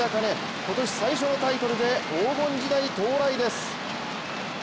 今年最初のタイトルで黄金時代到来です。